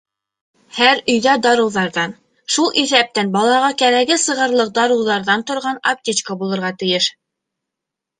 Һәр өйҙә дарыуҙарҙан, шул иҫәптән балаға кәрәге сығырлыҡ дарыуҙарҙан торған аптечка булырға тейеш.